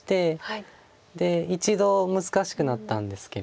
で一度難しくなったんですけれども。